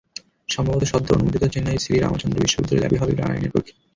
সম্ভবত সদ্য অনুমোদিত চেন্নাইয়ের শ্রী রামাচন্দ্র বিশ্ববিদ্যালয় ল্যাবেই হবে নারাইনের পরীক্ষা।